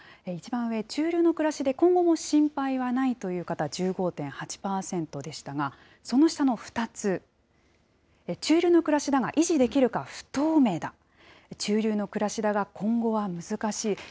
一番上、中流の暮らしで今後も心配はないという方、１５．８％でしたが、その下の２つ、中流の暮らしだが、維持できるか不透明だ、中流の暮らしだが今後は難しい。